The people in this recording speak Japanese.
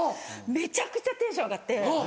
めちゃくちゃテンション上がって。